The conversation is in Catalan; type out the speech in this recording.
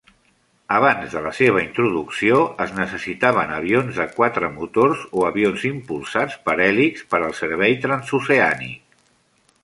Abans de la seva introducció, es necessitaven avions de quatre motors o avions impulsats per hèlixs per al servei transoceànic.